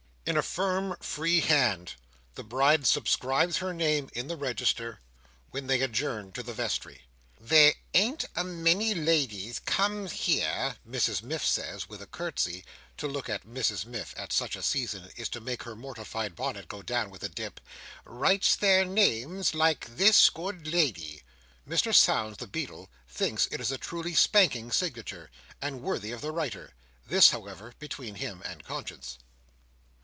In a firm, free hand, the Bride subscribes her name in the register, when they adjourn to the vestry. "There ain't a many ladies come here," Mrs Miff says with a curtsey—to look at Mrs Miff, at such a season, is to make her mortified bonnet go down with a dip—"writes their names like this good lady!" Mr Sownds the Beadle thinks it is a truly spanking signature, and worthy of the writer—this, however, between himself and conscience.